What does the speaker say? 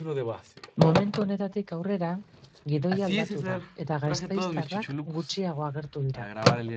Momentu honetatik aurrera, gidoia aldatu da, eta gasteiztarrak gutxiago agertu dira.